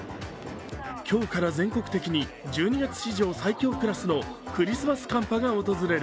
今日から全国的に１２月史上最強クラスのクリスマス寒波が訪れる。